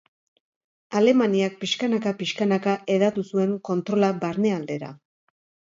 Alemaniak pixkanaka-pixkanaka hedatu zuen kontrola barnealdera.